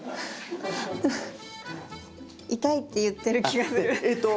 「痛い」って言ってる気がする。